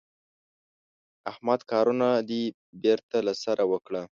احمده کارونه دې بېرته له سره وکړه.